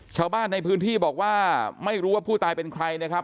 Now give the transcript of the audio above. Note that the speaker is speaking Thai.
ชาวบ้านในพื้นที่บอกว่าไม่รู้ว่าผู้ตายเป็นใครนะครับ